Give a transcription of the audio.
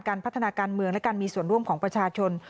พัฒนาการเมืองและการมีส่วนร่วมของประชาชน